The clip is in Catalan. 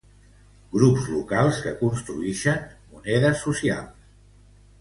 Grups locals que construïxen monedes socials.